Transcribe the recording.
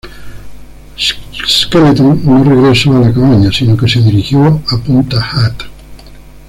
Shackleton no regresó a la cabaña, sino que se dirigió a punta Hut.